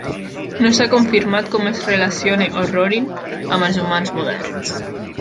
No s'ha confirmat com es relaciona "Orrorin" amb els humans moderns.